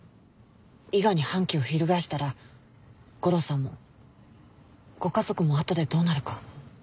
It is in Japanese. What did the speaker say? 伊賀に反旗を翻したら悟郎さんもご家族も後でどうなるか。